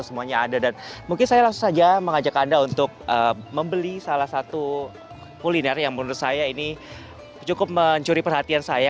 semuanya ada dan mungkin saya langsung saja mengajak anda untuk membeli salah satu kuliner yang menurut saya ini cukup mencuri perhatian saya